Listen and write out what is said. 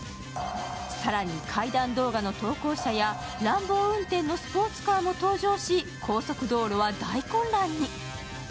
更に、怪談動画の投稿者や乱暴運転のスポーツカーも登場し高速道路は大混乱に。